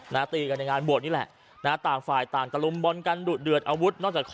น่ะตีกันในงานบวชนี่แหละต่างฝ่ายต่างตรมบอลกันดุลเกือบอาวุธ